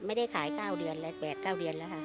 ไม่ได้ขาย๙เดือนเลย๘๙เดือนแล้วค่ะ